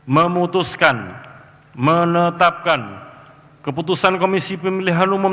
memutuskan menetapkan keputusan komisi pemilihan umum